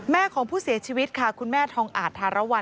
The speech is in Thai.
ของผู้เสียชีวิตค่ะคุณแม่ทองอาจธารวรรณ